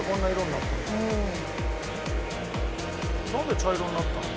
なんで茶色になったの？